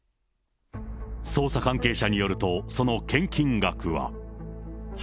捜査関係者によると、その献金額は。